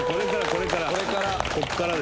これから。